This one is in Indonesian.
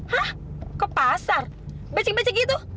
hah ke pasar bacik bacik gitu